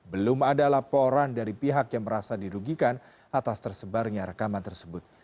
belum ada laporan dari pihak yang merasa dirugikan atas tersebarnya rekaman tersebut